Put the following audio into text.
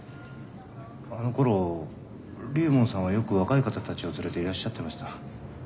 あのころ龍門さんはよく若い方たちを連れていらっしゃってました。